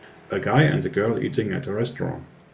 A guy and a girl eating at a restaurant.